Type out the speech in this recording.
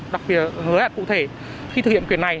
đặc biệt là rơi hạn cụ thể khi thực hiện quyền này